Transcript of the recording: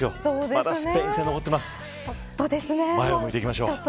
前を向いていきましょう。